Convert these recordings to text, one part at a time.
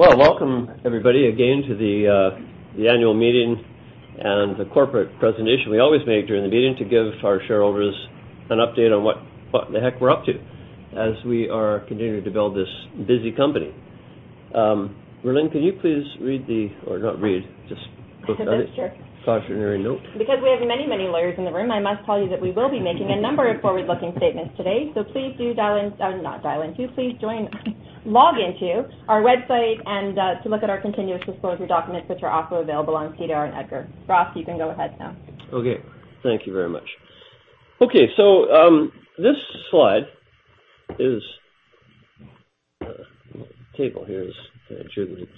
Well, welcome everybody again to the annual meeting and the corporate presentation we always make during the meeting to give our shareholders an update on what the heck we're up to as we are continuing to build this busy company. Merlin, can you please read the... Or not read, just click on it. Sure. Cautionary note. We have many lawyers in the room, I must tell you that we will be making a number of forward-looking statements today. Please do join, log in to our website and to look at our continuous disclosure documents which are also available on SEDAR and EDGAR. Ross, you can go ahead now. Okay. Thank you very much. Okay. The table here is legitimate.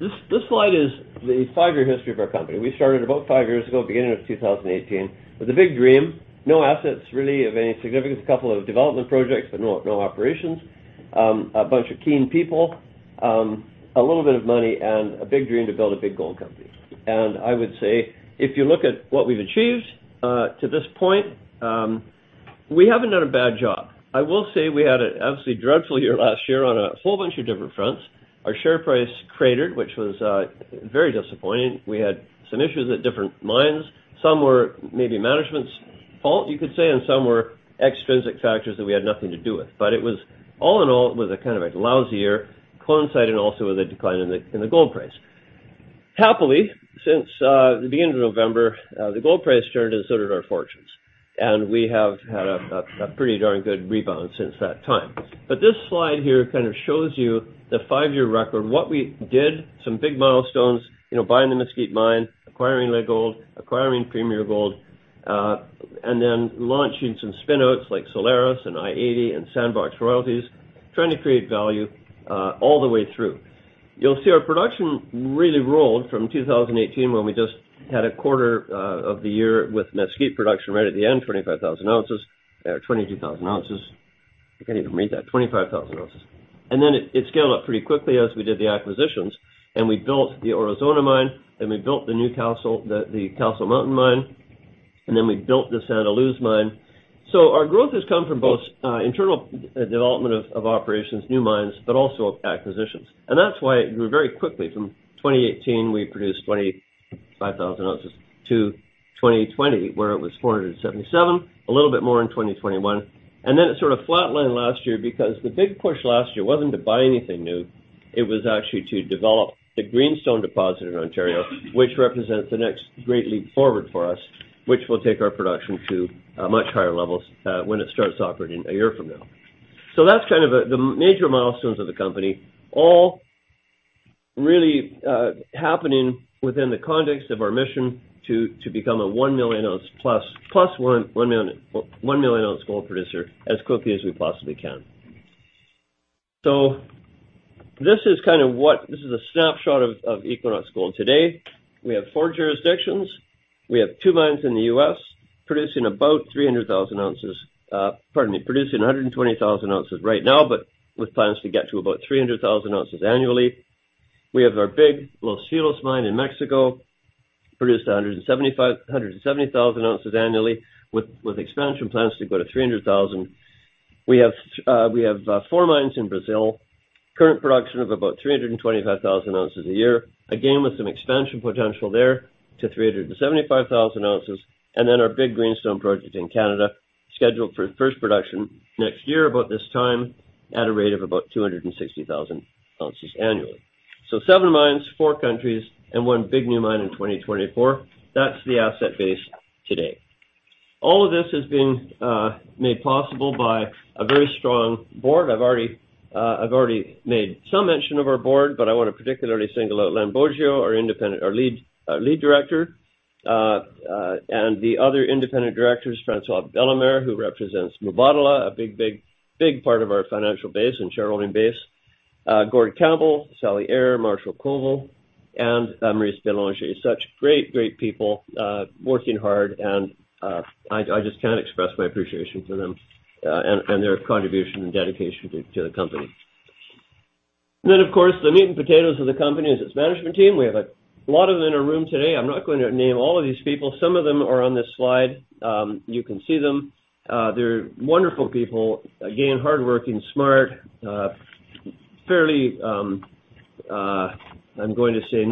This slide is the five-year history of our company. We started about five years ago, beginning of 2018, with a big dream. No assets really of any significance, a couple of development projects, but no operations. A bunch of keen people, a little bit of money, and a big dream to build a big gold company. I would say, if you look at what we've achieved, to this point, we haven't done a bad job. I will say we had an absolutely dreadful year last year on a whole bunch of different fronts. Our share price cratered, which was very disappointing. We had some issues at different mines. Some were maybe management's fault, you could say, and some were extrinsic factors that we had nothing to do with. It was all in all, it was a kind of a lousy year, coinciding also with a decline in the gold price. Happily, since the beginning of November, the gold price turned and so did our fortunes. We have had a pretty darn good rebound since that time. This slide here kind of shows you the five-year record, what we did, some big milestones, you know, buying the Mesquite Mine, acquiring Leagold, acquiring Premier Gold, and then launching some spin-outs like Solaris and i-80 and Sandbox Royalties, trying to create value all the way through. You'll see our production really rolled from 2018 when we just had a quarter of the year with Mesquite production right at the end, 25,000 ounces, 22,000 ounces. I can't even read that. 25,000 ounces. It scaled up pretty quickly as we did the acquisitions, and we built the Aurizona Mine, then we built the Castle Mountain Mine, and then we built the Santa Luz Mine. Our growth has come from both internal development of operations, new mines, but also acquisitions. That's why it grew very quickly from 2018, we produced 25,000 ounces, to 2020 where it was 477, a little bit more in 2021. It sort of flatlined last year because the big push last year wasn't to buy anything new, it was actually to develop the Greenstone deposit in Ontario, which represents the next great leap forward for us, which will take our production to much higher levels when it starts operating a year from now. That's kind of the major milestones of the company, all really happening within the context of our mission to become a 1 million-ounce plus 1 million-ounce gold producer as quickly as we possibly can. This is a snapshot of Equinox Gold today. We have four jurisdictions. We have two mines in the U.S. producing about 300,000 ounces, pardon me, producing 120,000 ounces right now, but with plans to get to about 300,000 ounces annually. We have our big Los Filos Mine in Mexico, produces 170,000 ounces annually with expansion plans to go to 300,000. We have four mines in Brazil, current production of about 325,000 ounces a year, again, with some expansion potential there to 375,000 ounces. Our big Greenstone Project in Canada, scheduled for first production next year about this time at a rate of about 260,000 ounces annually. Seven mines, four countries, and one big new mine in 2024. That's the asset base today. All of this has been made possible by a very strong board. I've already made some mention of our board, but I wanna particularly single out Len Boggio, our independent or lead director, and the other independent directors, François Bellemare, who represents Mubadala, a big, big, big part of our financial base and shareholding base. Gord Campbell, Sally Eyre, Marshall Koval, and Maryse Bélanger. Such great people working hard and I just can't express my appreciation to them and their contribution and dedication to the company. Of course, the meat and potatoes of the company is its management team. We have a lot of them in our room today. I'm not going to name all of these people. Some of them are on this slide. You can see them. They're wonderful people, again, hardworking, smart, fairly, I'm going to say We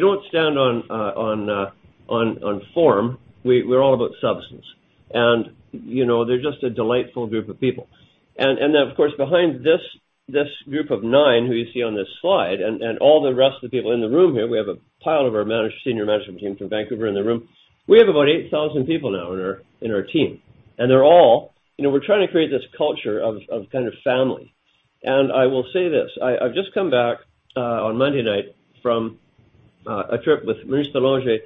don't stand on form. We're all about substance. You know, they're just a delightful group of people. Then, of course, behind this group of nine who you see on this slide and all the rest of the people in the room here, we have a pile of our senior management team from Vancouver in the room. We have about 8,000 people now in our team. You know, we're trying to create this culture of kind of family. I will say this, I've just come back on Monday night from a trip with Maryse Bélanger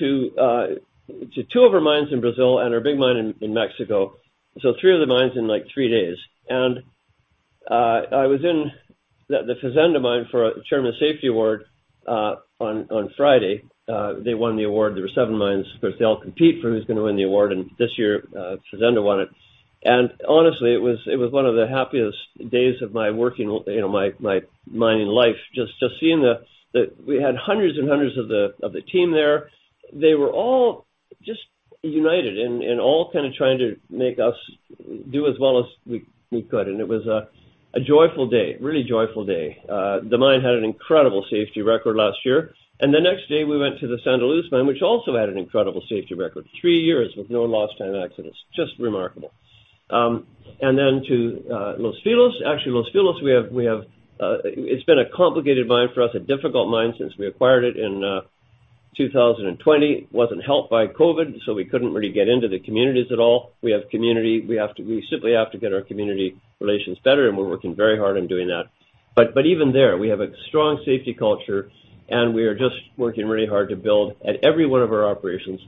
to two of our mines in Brazil and our big mine in Mexico. Three of the mines in, like, three days. I was in the Fazenda Mine for a Chairman's Safety Award on Friday. They won the award. There were seven mines. Of course, they all compete for who's gonna win the award, and this year, Fazenda won it. Honestly, it was one of the happiest days of my working, you know, my mining life, just seeing. We had hundreds and hundreds of the team there. They were just united and all kind of trying to make us do as well as we could. It was a joyful day, really joyful day. The mine had an incredible safety record last year. The next day we went to the Santa Luz Mine, which also had an incredible safety record, three years with no lost time accidents. Just remarkable. To Los Filos. Actually, Los Filos, we have, it's been a complicated mine for us, a difficult mine since we acquired it in 2020. Wasn't helped by COVID, so we couldn't really get into the communities at all. We have to, we simply have to get our community relations better, and we're working very hard on doing that. Even there, we have a strong safety culture, and we are just working really hard to build at every one of our operations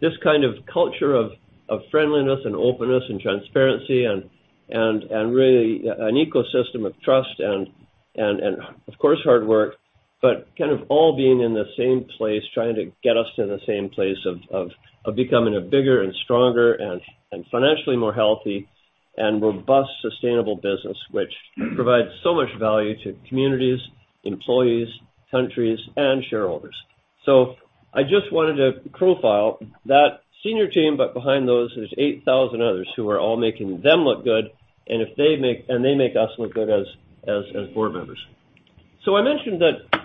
this kind of culture of friendliness and openness and transparency and really an ecosystem of trust and of course, hard work. Kind of all being in the same place, trying to get us to the same place of becoming a bigger and stronger and financially more healthy and robust, sustainable business, which provides so much value to communities, employees, countries, and shareholders. I just wanted to profile that senior team, but behind those, there's 8,000 others who are all making them look good, and they make us look good as board members. I mentioned that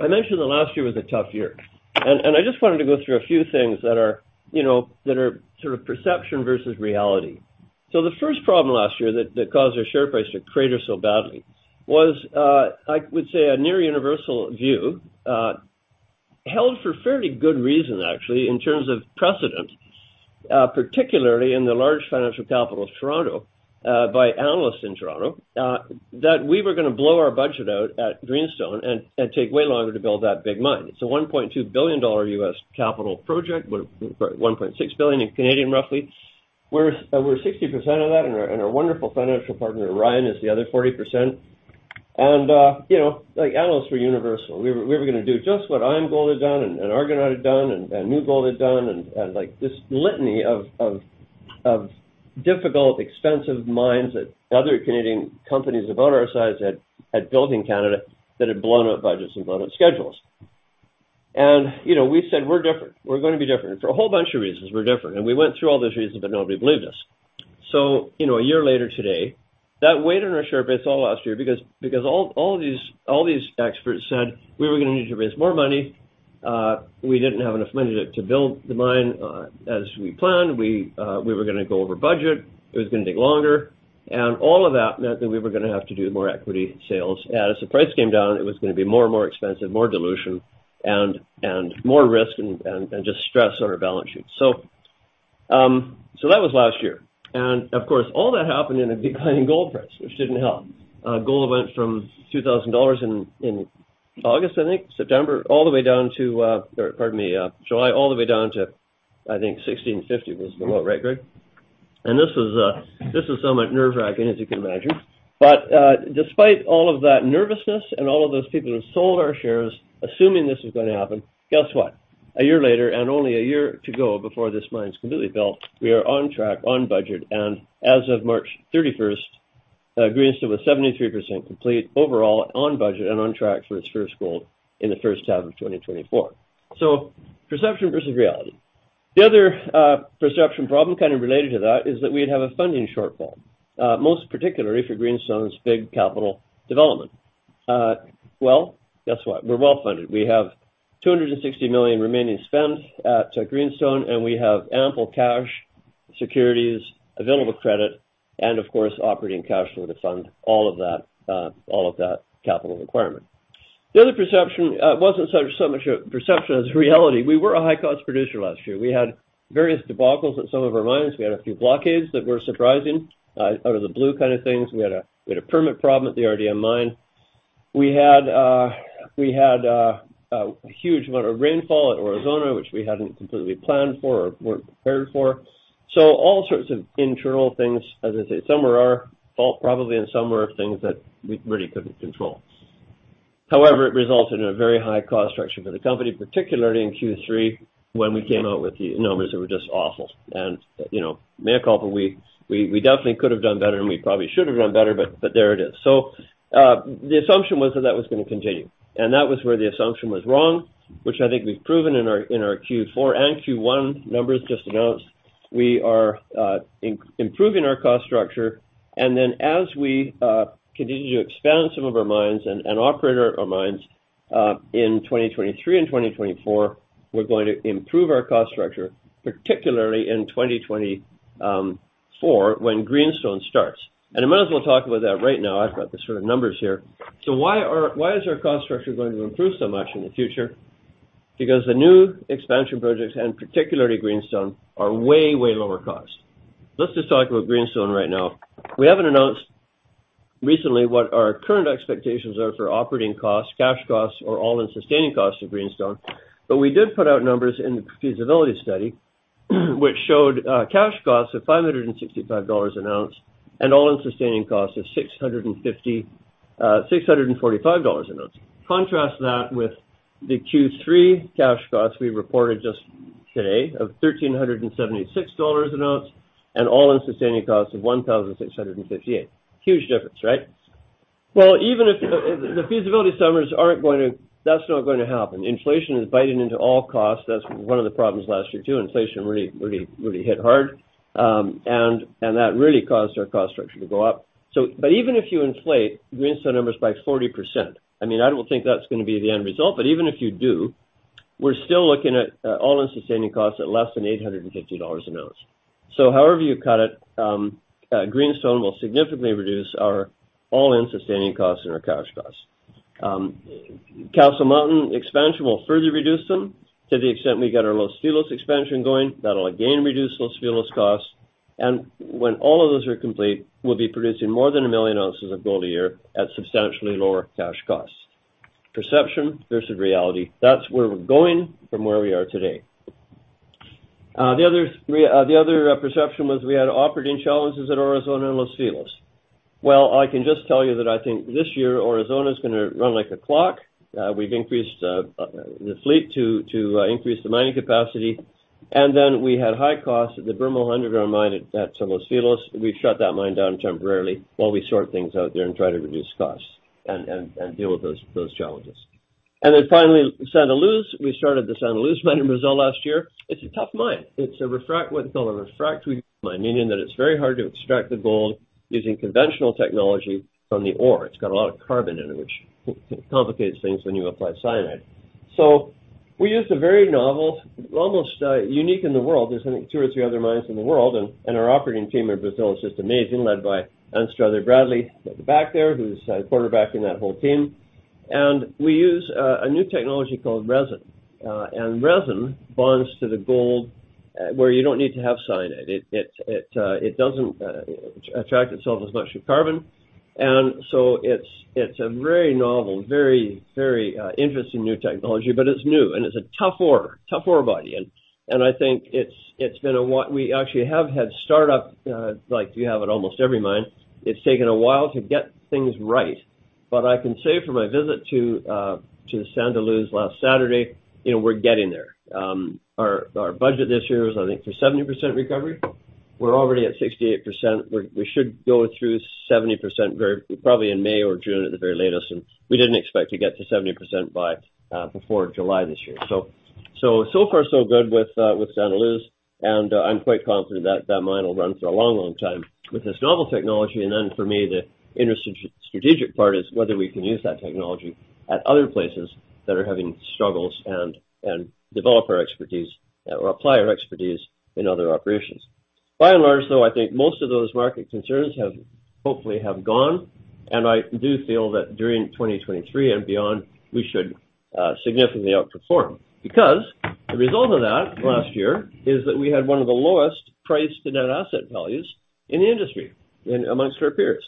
last year was a tough year, and I just wanted to go through a few things that are, you know, sort of perception versus reality. The first problem last year that caused our share price to crater so badly was, I would say, a near universal view, held for fairly good reason, actually, in terms of precedent, particularly in the large financial capital of Toronto, by analysts in Toronto, that we were gonna blow our budget out at Greenstone and take way longer to build that big mine. It's a $1.2 billion U.S. capital project, sorry, 1.6 billion, roughly. We're 60% of that, and our, and our wonderful financial partner, Orion, is the other 40%. You know, like, analysts were universal. We were gonna do just what IAMGOLD had done and Argonaut had done and New Gold had done, and, like, this litany of difficult, expensive mines that other Canadian companies about our size had built in Canada that had blown up budgets and blown up schedules. You know, we said, "We're different. We're gonna be different. For a whole bunch of reasons, we're different." We went through all those reasons. Nobody believed us. You know, a year later today, that weighed on our share price all last year because all these experts said we were gonna need to raise more money, we didn't have enough money to build the mine as we planned. We were gonna go over budget. It was gonna take longer. All of that meant that we were gonna have to do more equity sales. As the price came down, it was gonna be more and more expensive, more dilution and more risk and just stress on our balance sheet. That was last year. Of course, all that happened in a declining gold price, which didn't help. Gold went from $2,000 in August, I think, September, all the way down to, or pardon me, July, all the way down to, I think $1,650 was the low, right, Greg? This was somewhat nerve-wracking, as you can imagine. Despite all of that nervousness and all of those people who sold our shares assuming this was gonna happen, guess what? A year later, only a year to go before this mine's completely built, we are on track, on budget, and as of March 31st, Greenstone was 73% complete overall on budget and on track for its first gold in the first half of 2024. Perception versus reality. The other perception problem kind of related to that is that we'd have a funding shortfall, most particularly for Greenstone's big capital development. Guess what? We're well-funded. We have $260 million remaining spend at, to Greenstone, we have ample cash, securities, available credit, and of course, operating cash flow to fund all of that, all of that capital requirement. The other perception wasn't so much a perception as reality. We were a high-cost producer last year. We had various debacles at some of our mines. We had a few blockades that were surprising, out of the blue kind of things. We had a permit problem at the RDM Mine. We had a huge amount of rainfall at Aurizona, which we hadn't completely planned for or weren't prepared for. All sorts of internal things. As I say, some were our fault probably, and some were things that we really couldn't control. However, it resulted in a very high cost structure for the company, particularly in Q3 when we came out with the numbers that were just awful. You know, may have caught the week. We definitely could have done better, and we probably should have done better, but there it is. The assumption was that that was gonna continue, and that was where the assumption was wrong, which I think we've proven in our Q4 and Q1 numbers just announced. We are improving our cost structure. As we continue to expand some of our mines and operate our mines in 2023 and 2024, we're going to improve our cost structure, particularly in 2024, when Greenstone starts. I might as well talk about that right now. I've got the sort of numbers here. Why are, why is our cost structure going to improve so much in the future? Because the new expansion projects, and particularly Greenstone, are way lower cost. Let's just talk about Greenstone right now. We haven't announced recently what our current expectations are for operating costs, cash costs or all-in sustaining costs of Greenstone. We did put out numbers in the feasibility study which showed cash costs of $565 an ounce and all-in sustaining costs of $645 an ounce. Contrast that with the Q3 cash costs we reported just today of $1,376 an ounce and all-in sustaining costs of $1,658. Huge difference, right? Well, even if the feasibility numbers aren't going to... That's not gonna happen. Inflation is biting into all costs. That's one of the problems last year, too. Inflation really hit hard. That really caused our cost structure to go up. Even if you inflate Greenstone numbers by 40%, I mean, I don't think that's going to be the end result, even if you do, we're still looking at all-in sustaining costs at less than $850 an ounce. However you cut it, Greenstone will significantly reduce our all-in sustaining costs and our cash costs. Castle Mountain expansion will further reduce them to the extent we get our Los Filos expansion going. That will again reduce Los Filos costs. When all of those are complete, we will be producing more than 1 million-ounce of gold a year at substantially lower cash costs. Perception versus reality. That's where we're going from where we are today. The other perception was we had operating challenges at Aurizona and Los Filos. Well, I can just tell you that I think this year Aurizona is gonna run like a clock. We've increased the fleet to increase the mining capacity. We had high costs at the Bermejal Underground Mine at Los Filos. We've shut that mine down temporarily while we sort things out there and try to reduce costs and deal with those challenges. Finally, Santa Luz. We started the Santa Luz Mine in Brazil last year. It's a tough mine. It's what's called a refractory mine, meaning that it's very hard to extract the gold using conventional technology from the ore. It's got a lot of carbon in it, which complicates things when you apply cyanide. We used a very novel, almost unique in the world, there's only two or three other mines in the world, and our operating team in Brazil is just amazing, led by Anstruther Bradley at the back there, who's quarterbacking that whole team. We use a new technology called resin. Resin bonds to the gold where you don't need to have cyanide. It doesn't attract itself as much to carbon. It's a very novel, very, very interesting new technology, but it's new and it's a tough ore body. I think it's been a while. We actually have had startup like you have at almost every mine. It's taken a while to get things right. I can say from my visit to Santa Luz last Saturday, you know, we're getting there. Our budget this year is, I think, for 70% recovery. We're already at 68%. We should go through 70% very, probably in May or June at the very latest, and we didn't expect to get to 70% by before July this year. So far so good with Santa Luz, and I'm quite confident that that mine will run for a long, long time with this novel technology. For me, the strategic part is whether we can use that technology at other places that are having struggles and develop our expertise or apply our expertise in other operations. By and large, though, I think most of those market concerns have hopefully gone, and I do feel that during 2023 and beyond, we should significantly outperform. The result of that last year is that we had one of the lowest price-to-net-asset values in the industry and amongst our peers.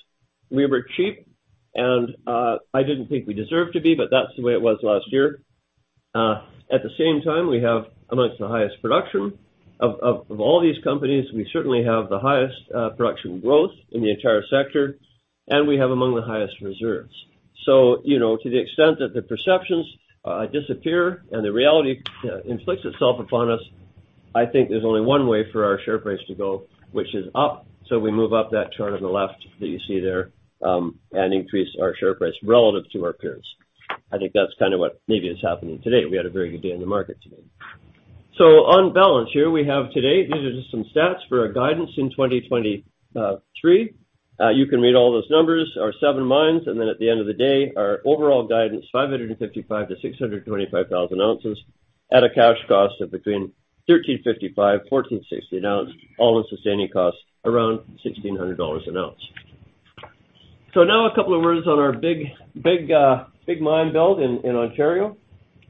We were cheap, and I didn't think we deserved to be, but that's the way it was last year. At the same time, we have amongst the highest production. Of all these companies, we certainly have the highest production growth in the entire sector, and we have among the highest reserves. You know, to the extent that the perceptions disappear and the reality inflicts itself upon us, I think there's only one way for our share price to go, which is up. We move up that chart on the left that you see there, and increase our share price relative to our peers. I think that's kind of what maybe is happening today. We had a very good day in the market today. On balance, here we have today, these are just some stats for our guidance in 2023. You can read all those numbers, our seven mines. At the end of the day, our overall guidance, 555,000-625,000 ounces at a cash cost of between $1,355-$1,460 an ounce, all-in sustaining costs around $1,600 an ounce. Now a couple of words on our big, big mine build in Ontario.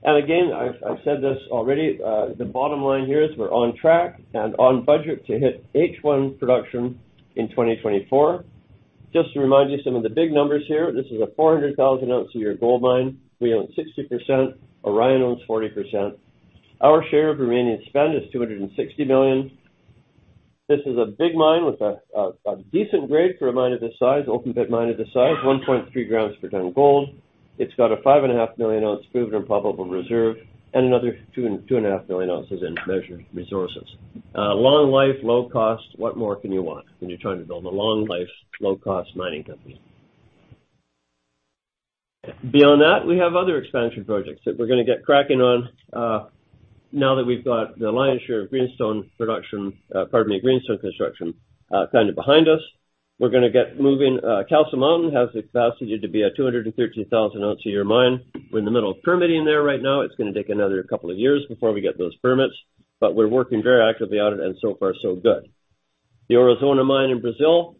Again, I've said this already, the bottom line here is we're on track and on budget to hit H1 production in 2024. Just to remind you some of the big numbers here. This is a 400,000-ounce-a-year gold mine. We own 60%, Orion owns 40%. Our share of remaining spend is $260 million. This is a big mine with a decent grade for a mine of this size, open-pit mine of this size, 1.3 grams per tonne gold. It's got a 5.5 million-ounce proven and probable reserve and another 2.5 million ounces in measured resources. Long life, low cost, what more can you want when you're trying to build a long-life, low-cost mining company? Beyond that, we have other expansion projects that we're gonna get cracking on now that we've got the lion's share of Greenstone production, pardon me, Greenstone construction, kind of behind us. We're gonna get moving. Castle Mountain has the capacity to be a 213,000-ounce-a-year mine. We're in the middle of permitting there right now. It's gonna take another couple of years before we get those permits, but we're working very actively on it and so far so good. The Aurizona Mine in Brazil,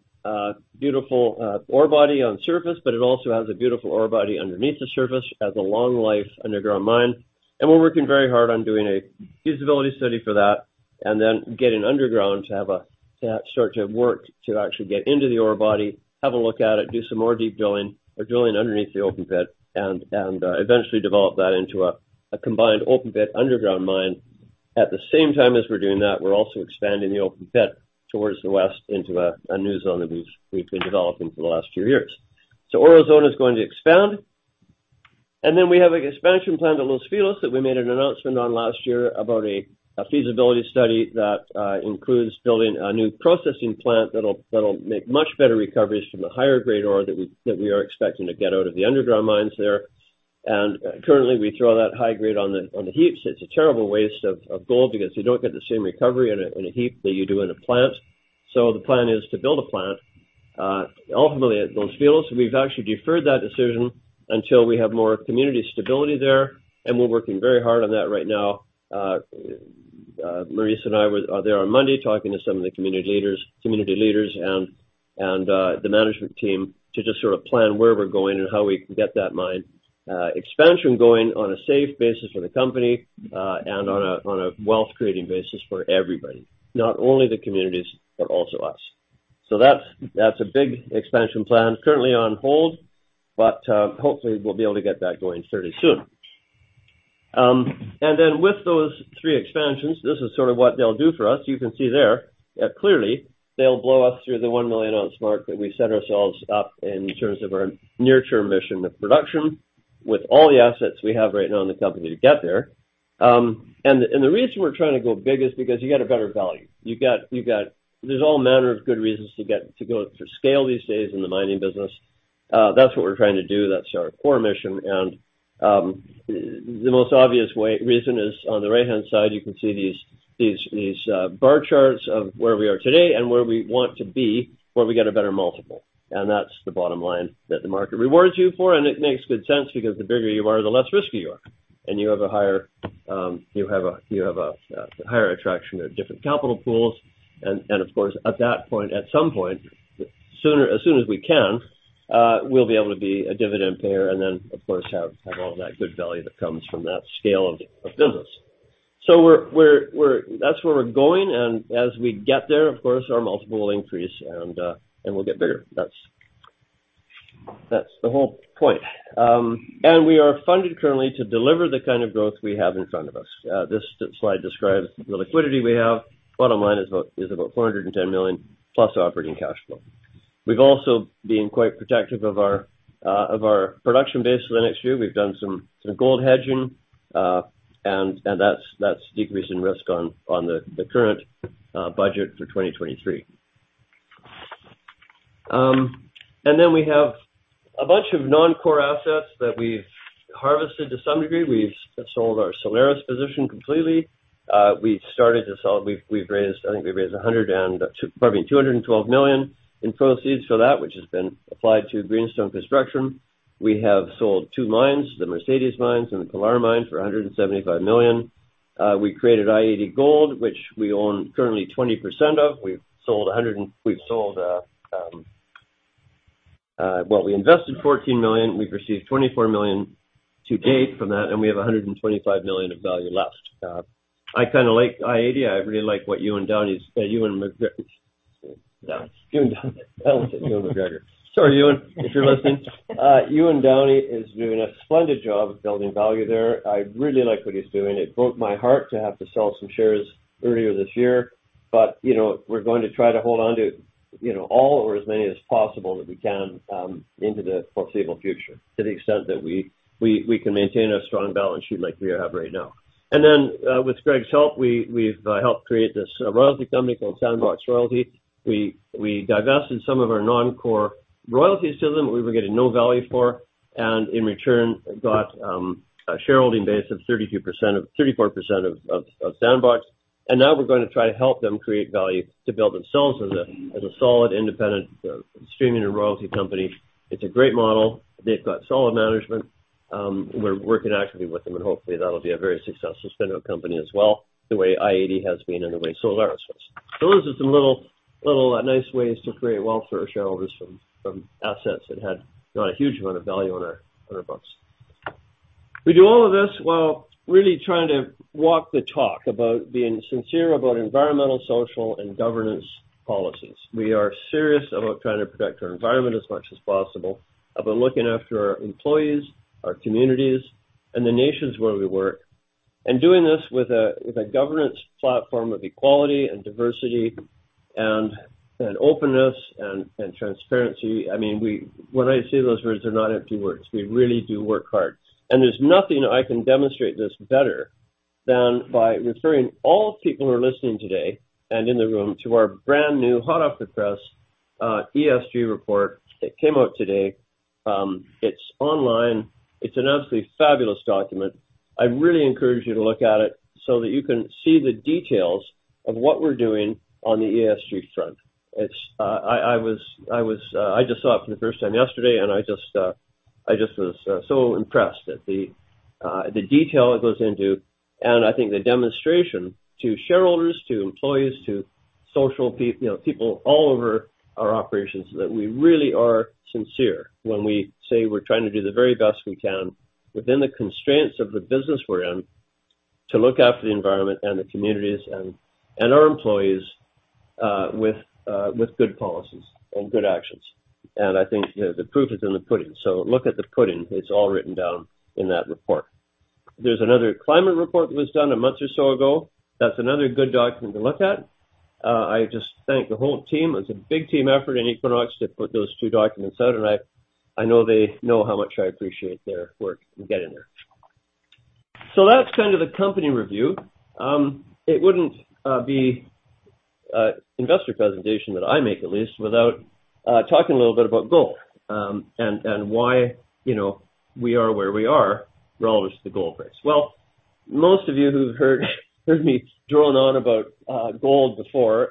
beautiful ore body on surface, but it also has a beautiful ore body underneath the surface. Has a long-life underground mine. We're working very hard on doing a feasibility study for that and then getting underground to start to work to actually get into the ore body, have a look at it, do some more deep drilling or drilling underneath the open-pit and eventually develop that into a combined open-pit underground mine. At the same time as we're doing that, we're also expanding the open-pit towards the west into a new zone that we've been developing for the last two years. Aurizona is going to expand. Then we have an expansion plan at Los Filos that we made an announcement on last year about a feasibility study that includes building a new processing plant that'll make much better recoveries from the higher-grade ore that we are expecting to get out of the underground mines there. Currently, we throw that high grade on the heaps. It's a terrible waste of gold because you don't get the same recovery in a heap that you do in a plant. The plan is to build a plant ultimately at Los Filos. We've actually deferred that decision until we have more community stability there, and we're working very hard on that right now. Maryse and I were there on Monday talking to some of the community leaders and the management team to just sort of plan where we're going and how we can get that mine expansion going on a safe basis for the company and on a wealth-creating basis for everybody, not only the communities, but also us. That's a big expansion plan currently on hold, but hopefully we'll be able to get that going fairly soon. Then with those three expansions, this is sort of what they'll do for us. You can see there, clearly they'll blow us through the 1 million-ounce mark that we set ourselves up in terms of our near-term mission of production with all the assets we have right now in the company to get there. The reason we're trying to go big is because you get a better value. You got. There's all manner of good reasons to go for scale these days in the mining business. That's what we're trying to do. That's our core mission. The most obvious way, reason is on the right-hand side, you can see these bar charts of where we are today and where we want to be, where we get a better multiple. That's the bottom line that the market rewards you for. It makes good sense because the bigger you are, the less risky you are. You have a higher attraction of different capital pools. Of course, at that point, at some point, sooner, as soon as we can, we'll be able to be a dividend payer and then, of course, have all that good value that comes from that scale of business. That's where we're going. As we get there, of course, our multiple will increase and we'll get bigger. That's the whole point. We are funded currently to deliver the kind of growth we have in front of us. This slide describes the liquidity we have. Bottom line is about $410 million plus operating cash flow. We've also been quite protective of our production base for the next year. We've done some gold hedging, and that's decreasing risk on the current budget for 2023. Then we have a bunch of non-core assets that we've harvested to some degree. We've sold our Solaris Resources position completely. We've raised, I think we've raised $212 million in proceeds for that, which has been applied to Greenstone Construction. We have sold two mines, the Mercedes Mines and the Pilar Mine for $175 million. We created i-80 Gold, which we own currently 20% of. We've sold, we invested $14 million. We've received $24 million to date from that, and we have $125 million of value left. I kinda like i-80. I really like what Ewan Downie, Ewan Downie. Sorry, Ewan, if you're listening. Ewan Downie is doing a splendid job of building value there. I really like what he's doing. It broke my heart to have to sell some shares earlier this year, but, you know, we're going to try to hold on to, you know, all or as many as possible that we can into the foreseeable future, to the extent that we can maintain a strong balance sheet like we have right now. With Greg's help, we've helped create this royalty company called Sandbox Royalties. We divested some of our non-core royalties to them we were getting no value for, and in return, got a shareholding base of 32% of 34% of Sandbox. Now we're gonna try to help them create value to build themselves as a solid, independent, streaming and royalty company. It's a great model. They've got solid management. We're working actively with them, and hopefully that'll be a very successful spin-out company as well, the way i-80 has been and the way Solaris was. Those are some little nice ways to create wealth for our shareholders from assets that had not a huge amount of value on our books. We do all of this while really trying to walk the talk about being sincere about environmental, social, and governance policies. We are serious about trying to protect our environment as much as possible, about looking after our employees, our communities, and the nations where we work, and doing this with a governance platform of equality and diversity and openness and transparency. I mean, when I say those words, they're not empty words. We really do work hard. There's nothing I can demonstrate this better than by referring all people who are listening today and in the room to our brand-new, hot-off-the-press, ESG Report that came out today. It's online. It's an absolutely fabulous document. I really encourage you to look at it so that you can see the details of what we're doing on the ESG front. It's. I was, I just saw it for the first time yesterday, I just was so impressed at the detail it goes into, I think the demonstration to shareholders, to employees, to social, you know, people all over our operations, that we really are sincere when we say we're trying to do the very best we can within the constraints of the business we're in to look after the environment and the communities and our employees, with good policies and good actions. I think, you know, the proof is in the pudding. Look at the pudding. It's all written down in that report. There's another climate report that was done a month or so ago. That's another good document to look at. I just thank the whole team. It's a big team effort in Equinox to put those two documents out, and I know they know how much I appreciate their work in getting there. That's kind of the company review. It wouldn't be a investor presentation, that I make at least, without talking a little bit about gold, and why, you know, we are where we are relative to the gold price. Most of you who've heard me drone on about gold before,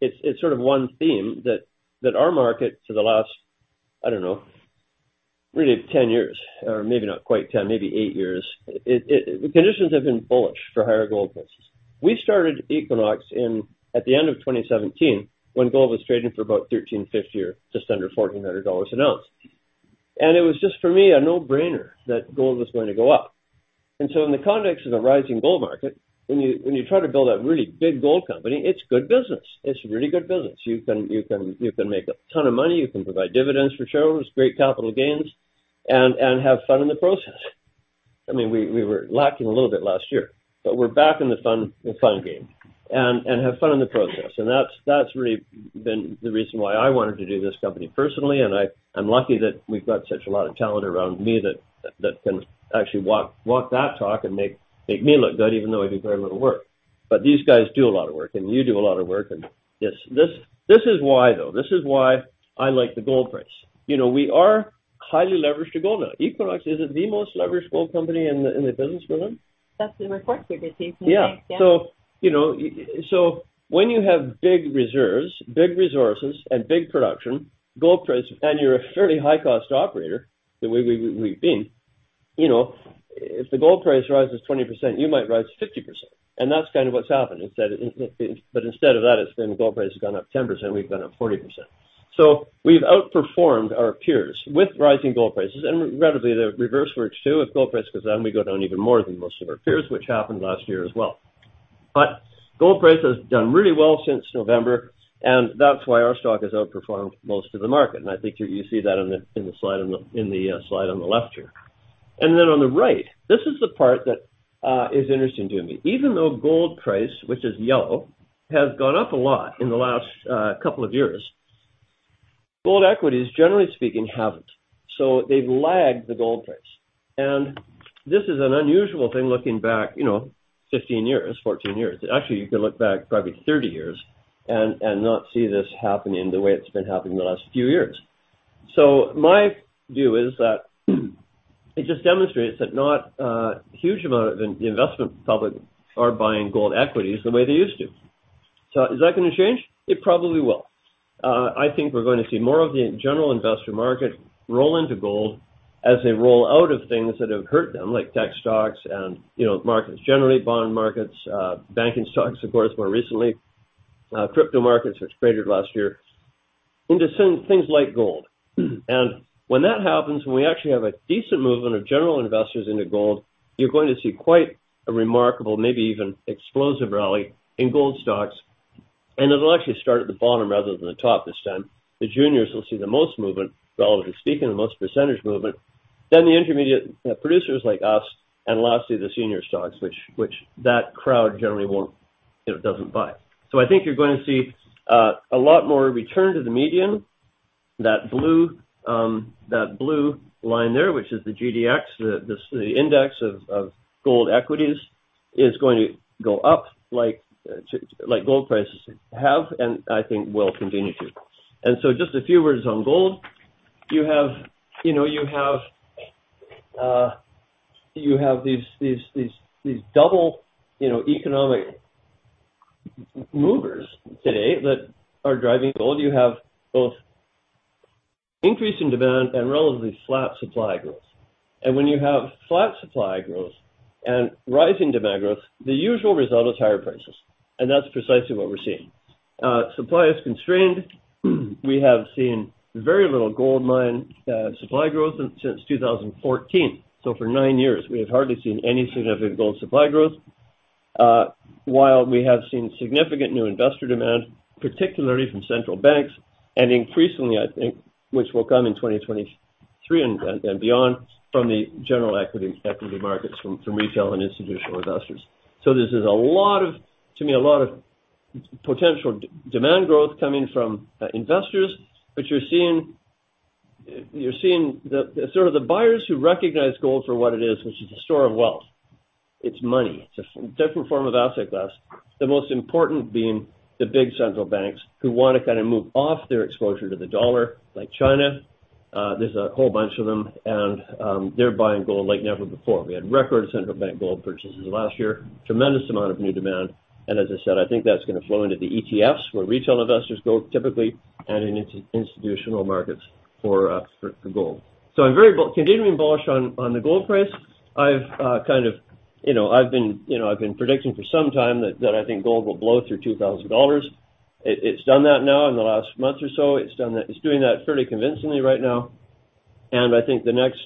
it's sort of one theme that our market for the last, I don't know, really 10 years, or maybe not quite 10, maybe eight years, conditions have been bullish for higher gold prices. We started Equinox in at the end of 2017 when gold was trading for about $1,350 or just under $1,400 an ounce. It was just, for me, a no-brainer that gold was going to go up. In the context of the rising gold market, when you try to build a really big gold company, it's good business. It's really good business. You can make a tonne of money, you can provide dividends for shareholders, great capital gains, and have fun in the process. I mean, we were lacking a little bit last year, but we're back in the fun game and have fun in the process. That's really been the reason why I wanted to do this company personally, and I'm lucky that we've got such a lot of talent around me that can actually walk that talk and make me look good even though I do very little work. These guys do a lot of work, and you do a lot of work, and this is why, though, this is why I like the gold price. You know, we are highly leveraged to gold now. Equinox, is it the most leveraged gold company in the business, Gillian? That's the reports we produced, yeah. Yeah. You know, so when you have big reserves, big resources, and big production, and you're a fairly high-cost operator, the way we've been, you know, if the gold price rises 20%, you might rise 50%, and that's kind of what's happened. Instead of that, it's been the gold price has gone up 10%, we've gone up 40%. We've outperformed our peers with rising gold prices, and relatively the reverse works, too. If gold price goes down, we go down even more than most of our peers, which happened last year as well. Gold price has done really well since November, and that's why our stock has outperformed most of the market. I think you see that on the, in the slide on the, in the slide on the left here. On the right, this is the part that is interesting to me. Even though gold price, which is yellow, has gone up a lot in the last couple of years, gold equities, generally speaking, haven't. They've lagged the gold price. This is an unusual thing looking back, you know, 15 years, 14 years. Actually, you could look back probably 30 years and not see this happening the way it's been happening in the last few years. My view is that it just demonstrates that not a huge amount of the investment public are buying gold equities the way they used to. Is that gonna change? It probably will. I think we're gonna see more of the general investor market roll into gold as they roll out of things that have hurt them, like tech stocks and, you know, markets generally, bond markets, banking stocks, of course, more recently, crypto markets, which cratered last year, into some things like gold. When that happens, when we actually have a decent movement of general investors into gold, you're going to see quite a remarkable, maybe even explosive rally in gold stocks, and it'll actually start at the bottom rather than the top this time. The juniors will see the most movement, relatively speaking, the most percentage movement, then the intermediate producers like us, and lastly, the senior stocks, which that crowd generally doesn't buy. I think you're going to see a lot more return to the median. That blue, that blue line there, which is the GDX, the index of gold equities, is going to go up like gold prices have, and I think will continue to. Just a few words on gold. You have, you know, you have these double, you know, economic movers today that are driving gold. You have both increasing demand and relatively flat supply growth. When you have flat supply growth and rising demand growth, the usual result is higher prices, and that's precisely what we're seeing. Supply is constrained. We have seen very little gold mine supply growth since 2014. For nine years, we have hardly seen any significant gold supply growth, while we have seen significant new investor demand, particularly from central banks, and increasingly, I think, which will come in 2023 and beyond from the general equity markets from retail and institutional investors. This is a lot of, to me, a lot of potential demand growth coming from investors, but you're seeing the sort of the buyers who recognize gold for what it is, which is a store of wealth. It's money. It's a different form of asset class, the most important being the big central banks who wanna kinda move off their exposure to the dollar, like China. There's a whole bunch of them and they're buying gold like never before. We had record central bank gold purchases last year, tremendous amount of new demand, as I said, I think that's gonna flow into the ETFs, where retail investors go typically, and in institutional markets for gold. I'm very continuing bullish on the gold price. I've kind of, you know, I've been, you know, I've been predicting for some time that I think gold will blow through $2,000. It's done that now in the last month or so. It's done that. It's doing that fairly convincingly right now. I think the next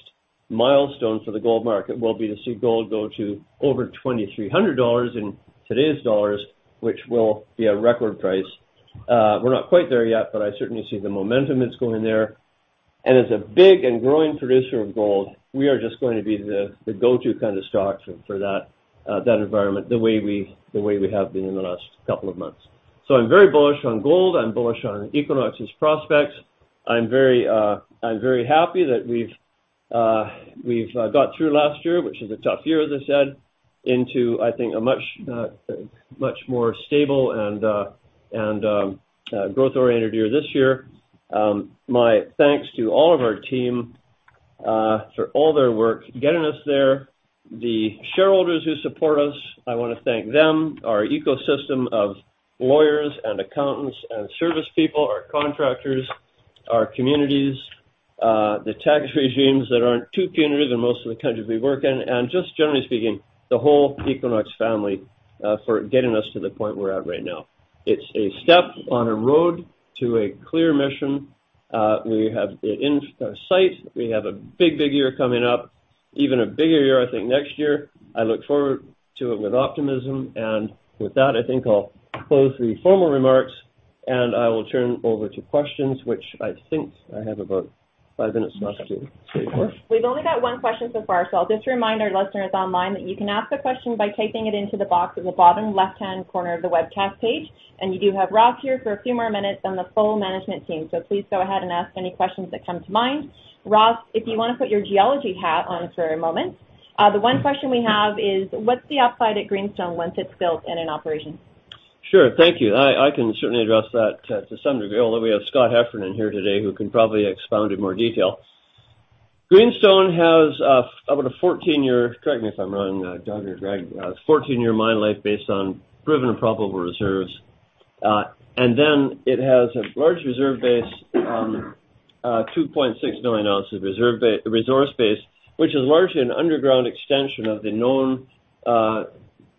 milestone for the gold market will be to see gold go to over $2,300 in today's dollars, which will be a record price. We're not quite there yet, but I certainly see the momentum that's going there. As a big and growing producer of gold, we are just going to be the go-to kind of stock for that environment the way we have been in the last couple of months. I'm very bullish on gold, I'm bullish on Equinox's prospects. I'm very happy that we've got through last year, which was a tough year, as I said, into, I think, a much more stable and growth-oriented year this year. My thanks to all of our team for all their work getting us there. The shareholders who support us, I wanna thank them, our ecosystem of lawyers and accountants and service people, our contractors, our communities, the tax regimes that aren't too punitive in most of the countries we work in, and just generally speaking, the whole Equinox family for getting us to the point we're at right now. It's a step on a road to a clear mission. We have it in sight. We have a big, big year coming up, even a bigger year, I think, next year. I look forward to it with optimism. With that, I think I'll close the formal remarks, and I will turn over to questions, which I think I have about five minutes left to take them. We've only got one question so far, so I'll just remind our listeners online that you can ask a question by typing it into the box at the bottom left-hand corner of the webcast page. You do have Ross here for a few more minutes, then the full management team. Please go ahead and ask any questions that come to mind. Ross, if you wanna put your geology hat on for a moment, the one question we have is, what's the upside at Greenstone once it's built and in operation? Sure. Thank you. I can certainly address that to some degree, although we have Scott Heffernan here today who can probably expound in more detail. Greenstone has about a 14-year, correct me if I'm wrong, John or Greg, 14-year mine life based on proven probable reserves. Then it has a large reserve base, 2.6 million ounces of resource base, which is largely an underground extension of the known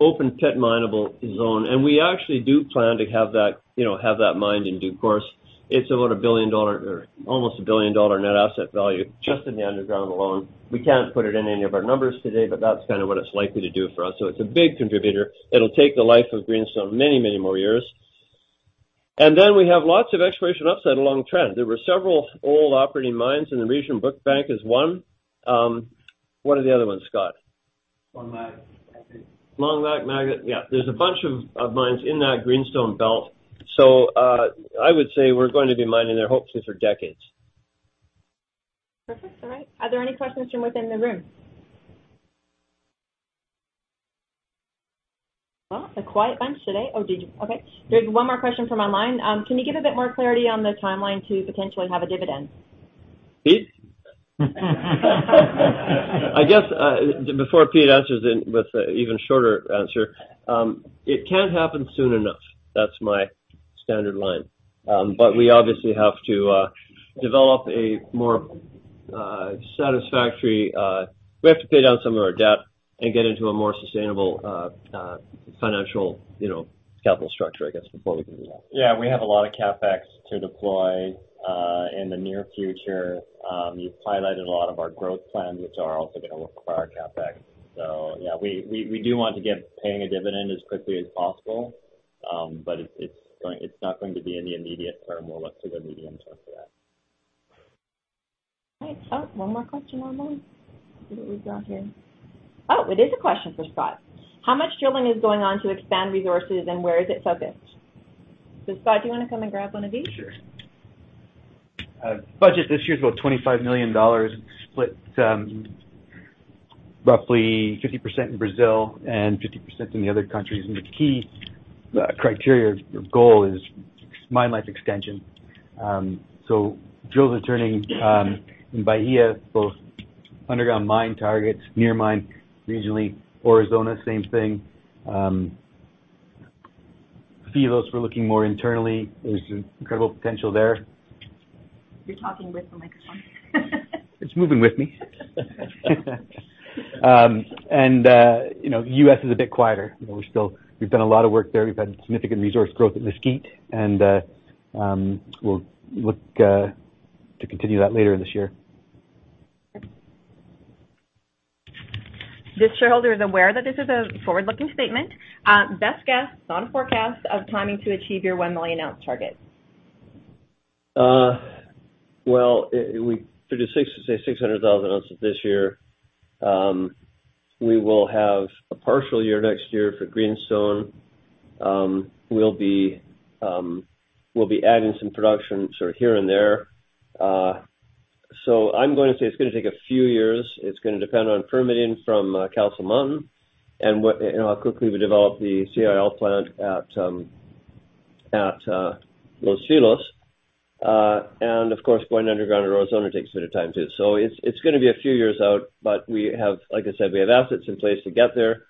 open-pit mineable zone. We actually do plan to have that, you know, have that mined in due course. It's about a $1 billion or almost a $1 billion net asset value just in the underground alone. We can't put it in any of our numbers today, but that's kinda what it's likely to do for us. It's a big contributor. It'll take the life of Greenstone many, many more years. Then we have lots of exploration upside along trend. There were several old operating mines in the region. Brookbank is one. What are the other ones, Scott? Long Lac, I think. Long Lac. Yeah. There's a bunch of mines in that Greenstone Belt. I would say we're going to be mining there hopefully for decades. Perfect. All right. Are there any questions from within the room? Well, a quiet bunch today. There's one more question from online. Can you give a bit more clarity on the timeline to potentially have a dividend? Pete? I guess, before Pete answers it with an even shorter answer, it can't happen soon enough. That's my standard line. We obviously have to develop a more satisfactory. We have to pay down some of our debt and get into a more sustainable financial, you know, capital structure, I guess, before we can do that. We have a lot of CapEx to deploy in the near future. You've highlighted a lot of our growth plans, which are also going to require CapEx. We do want to get paying a dividend as quickly as possible, but it's not going to be in the immediate term. We'll look to the medium term for that. All right. Oh, one more question online. See what we've got here. Oh, it is a question for Scott. How much drilling is going on to expand resources, and where is it focused? Scott, do you wanna come and grab one of these? Budget this year is about $25 million, split roughly 50% in Brazil and 50% in the other countries. The key criteria or goal is mine life extension. Drills are turning in Bahia, both underground mine targets, near mine, regionally. Aurizona, same thing. Filos, we're looking more internally. There's incredible potential there. You're talking with the microphone. It's moving with me. You know, U.S. is a bit quieter. You know, we're still. We've done a lot of work there. We've had significant resource growth at Mesquite, and we'll look to continue that later this year. This shareholder is aware that this is a forward-looking statement. best guess, not a forecast, of timing to achieve your 1 million-ounce target. Well, we produced six, say 600,000 ounces this year. We will have a partial year next year for Greenstone. We'll be adding some production sort of here and there. I'm gonna say it's gonna take a few years. It's gonna depend on permitting from Castle Mountain and what, and how quickly we develop the CIL plant at Los Filos. Of course, going underground at Aurizona takes a bit of time too. It's gonna be a few years out, but we have, like I said, we have assets in place to get there.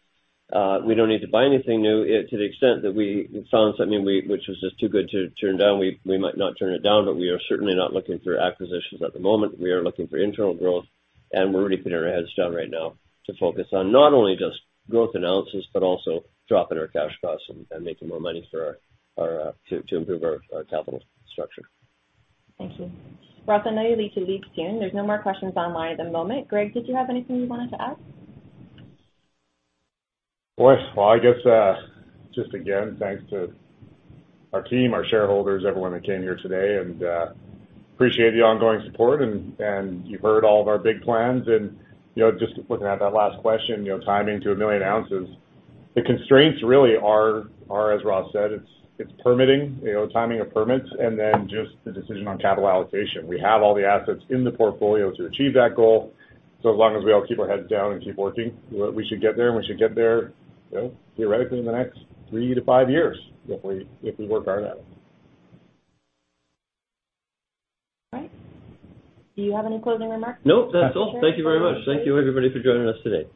We don't need to buy anything new. If to the extent that we found something which was just too good to turn down, we might not turn it down. We are certainly not looking for acquisitions at the moment. We are looking for internal growth. We're really putting our heads down right now to focus on not only just growth in ounces, but also dropping our cash costs and making more money for our to improve our capital structure. Thank you. Ross, I know you need to leave soon. There's no more questions online at the moment. Greg, did you have anything you wanted to add? Well, I guess, just again, thanks to our team, our shareholders, everyone that came here today, and appreciate the ongoing support. You've heard all of our big plans. You know, just looking at that last question, you know, timing to 1 million-ounce, the constraints really are, as Ross said, it's permitting, you know, timing of permits, and then just the decision on capital allocation. We have all the assets in the portfolio to achieve that goal. As long as we all keep our heads down and keep working, we should get there, and we should get there, you know, theoretically in the next three to five years, if we work hard at it. All right. Do you have any closing remarks? No, that's all. Thank you very much. Thank you, everybody, for joining us today.